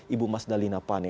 ibu mas dalina pane